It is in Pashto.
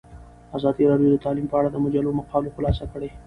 ازادي راډیو د تعلیم په اړه د مجلو مقالو خلاصه کړې.